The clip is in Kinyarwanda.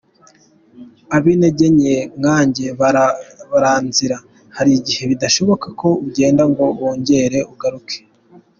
Ab’intege nke nkanjye barara nzira; hari gihe bidashoboka ko ugenda ngo wongere ugaruke.